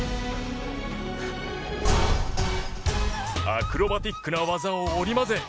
アクロバティックな技を織り交ぜ